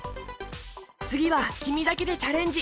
つぎはきみだけでチャレンジ！